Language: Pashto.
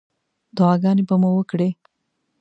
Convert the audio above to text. دعاګانې به مو وکړې.